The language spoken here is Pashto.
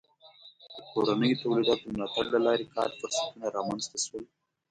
د کورنیو تولیداتو د ملاتړ له لارې کار فرصتونه رامنځته شول.